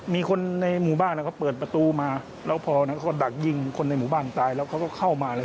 มีคนในหมู่บ้านเขาเปิดประตูมาแล้วพอนั้นเขาดักยิงคนในหมู่บ้านตายแล้วเขาก็เข้ามาแล้ว